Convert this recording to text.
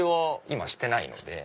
今してないので。